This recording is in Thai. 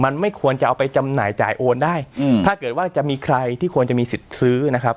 มันไม่ควรจะเอาไปจำหน่ายจ่ายโอนได้อืมถ้าเกิดว่าจะมีใครที่ควรจะมีสิทธิ์ซื้อนะครับ